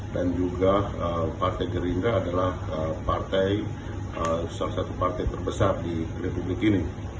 dan juga partai gerindra adalah salah satu partai terbesar di republik ini